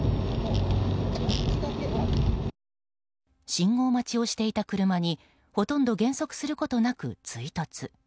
信号待ちをしていた車にほとんど減速することなく追突。